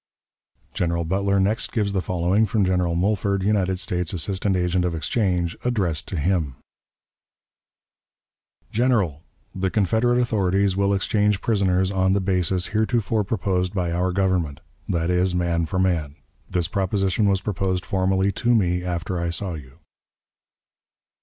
General Butler next gives the following from General Mulford, United States assistant agent of exchange, addressed to him: "GENERAL: The Confederate authorities will exchange prisoners on the basis heretofore proposed by our Government that is, man for man. This proposition was proposed formally to me after I saw you."